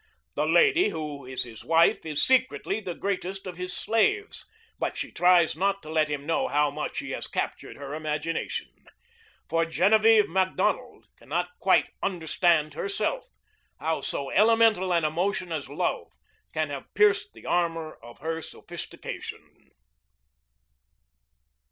The lady who is his wife is secretly the greatest of his slaves, but she tries not to let him know how much he has captured her imagination. For Genevieve Macdonald cannot quite understand, herself, how so elemental an emotion as love can have pierced the armor of her sophistication.